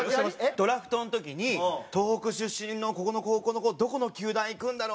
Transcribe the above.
ドラフトの時に「東北出身のここの高校の子どこの球団へ行くんだろう」。